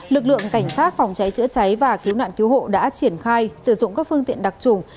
lực lượng cảnh sát phòng cháy chữa cháy và cứu nạn cứu hộ đã triển khai sử dụng các phương tiện đặc trùng